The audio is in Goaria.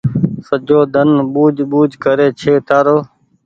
سجو ۮن ٻوجه ٻوجه ڪري ڇي تآرو